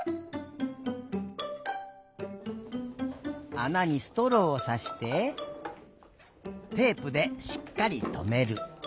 あなにストローをさしてテープでしっかりとめる。